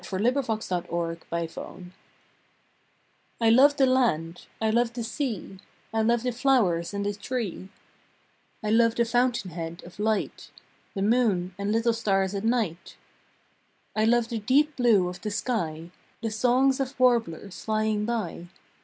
September Eighth MY LOVES I LOVE the land, I love the sea, * I love the flowers and the tree, I love the fountain head of light, The moon, and little stars at night. I love the deep blue of the sky, The songs of warblers flying by.